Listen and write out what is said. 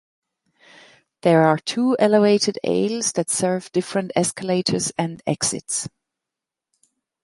There are two elevated "aisles" that serve different escalators and exits.